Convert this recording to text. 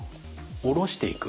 下ろしていく。